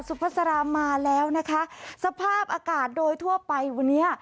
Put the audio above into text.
พัสรามาแล้วนะคะสภาพอากาศโดยทั่วไปวันนี้